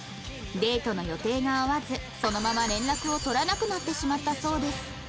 デートの予定が合わずそのまま連絡を取らなくなってしまったそうです